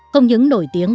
không những nổi tiếng